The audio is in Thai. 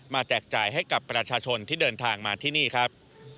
แจกจ่ายให้กับประชาชนที่เดินทางมาที่นี่ครับ